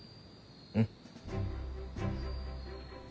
うん。